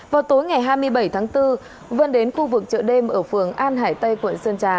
vào tối ngày hai mươi bảy tháng bốn vươn đến khu vực chợ đêm ở phường an hải tây quận sơn trà